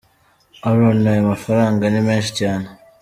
Aaron: “ Aya mafaranga ni menshi cyane.